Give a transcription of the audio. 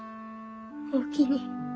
おおきに。